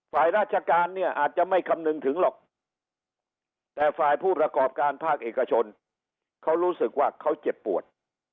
ฝ่ายราชการเนี่ยอาจจะไม่คำนึงถึงหรอกแต่ฝ่ายผู้ประกอบการภาคเอกชนเขารู้สึกว่าเขาเจ็บปวด